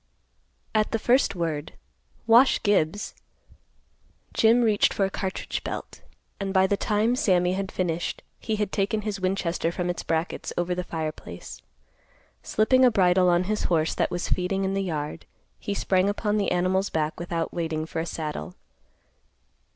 At the first word, "Wash Gibbs," Jim reached for a cartridge belt, and, by the time Sammy had finished, he had taken his Winchester from its brackets over the fireplace. Slipping a bridle on his horse that was feeding in the yard, he sprang upon the animal's back without waiting for a saddle.